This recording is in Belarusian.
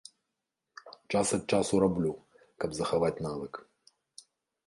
Час ад часу раблю, каб захаваць навык.